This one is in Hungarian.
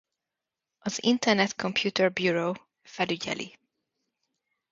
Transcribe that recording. Az Internet Computer Bureau felügyeli.